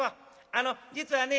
あの実はね